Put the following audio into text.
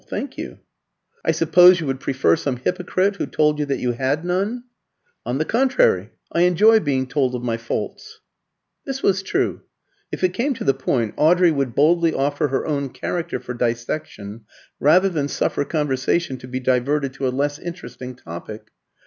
"Thank you." "I suppose you would prefer some hypocrite who told you that you had none?" "On the contrary, I enjoy being told of my faults." This was true. If it came to the point, Audrey would boldly offer her own character for dissection rather than suffer conversation to be diverted to a less interesting topic.